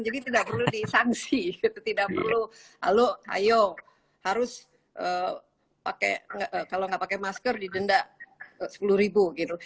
jadi tidak perlu disansi tidak perlu halo ayo harus pakai kalau nggak pakai masker didenda sepuluh ribu gitu